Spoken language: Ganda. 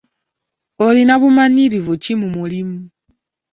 Olina bumanyirivu ki mu mulimu?